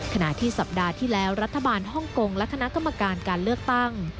ขณะที่สัปดาห์ที่แล้วรัฐบาลฮ่องกงและคณะกรรมการการเลือกตั้ง